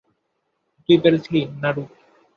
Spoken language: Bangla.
তুই পেরেছিলি, নারু।